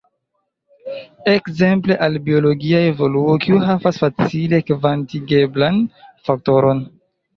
Ekzemple al biologia evoluo, kiu havas facile kvantigeblan faktoron.